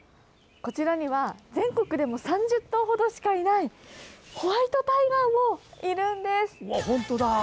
こちらには全国でも３０頭ほどしかいないホワイトタイガーもいるんです。